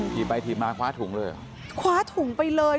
ถีบไปถีบมาคว้าถุงเลยเหรอคว้าถุงไปเลย